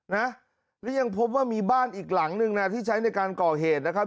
นะแล้วยังพบว่ามีบ้านอีกหลังนึงนะที่ใช้ในการก่อเหตุนะครับ